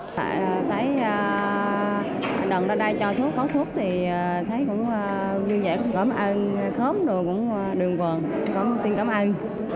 tại đây đoàn ra đây cho thuốc phát thuốc thì thấy cũng vui vẻ cũng cảm ơn khóm rồi cũng đường quần cũng xin cảm ơn